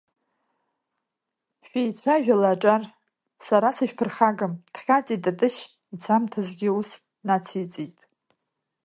Шәеицәажәала, аҿар, сара сышәԥырхагам, дхьаҵит Тытышь, ицамҭазгьы ус нациҵеит…